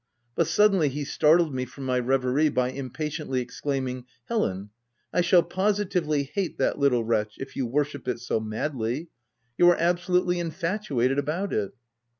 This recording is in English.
But suddenly he startled me from my reverie by impatiently exclaiming, —" Helen, I shall positively hate that little wretch, if you worship it so madly ! You are absolutely infatuated about it."